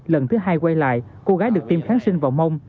lần thứ hai quay lại cô gái được tiêm kháng sinh vào mông